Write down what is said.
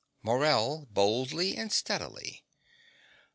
MORELL (boldly and steadily).